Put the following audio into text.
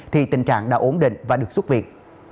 thì tình trạng đã ổn định và được xuất viện